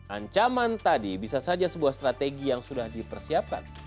ancaman tadi bisa saja sebuah strategi yang sudah dipersiapkan